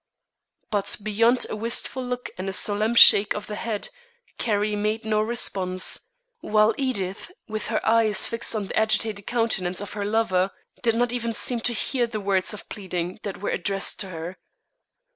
But beyond a wistful look and a solemn shake of the head, Carrie made no response, while Edith, with her eyes fixed on the agitated countenance of her lover, did not even seem to hear the words of pleading that were addressed to her.